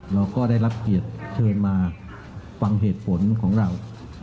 เราก็ได้รับเกียรติเชิญมาฟังเหตุผลของเรา